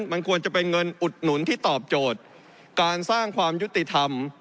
มันควรจะเป็นเงินอุดหนุนที่ตอบโจทย์การสร้างความยุติธรรม